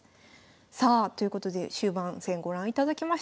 さあということで終盤戦ご覧いただきました。